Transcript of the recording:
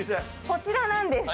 こちらなんです。